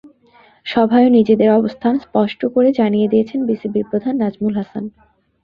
সভায়ও নিজেদের অবস্থান স্পষ্ট করে জানিয়ে দিয়েছেন বিসিবির প্রধান নাজমুল হাসান।